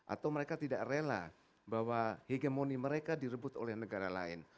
atau mereka tidak rela bahwa hegemoni mereka direbut oleh negara lain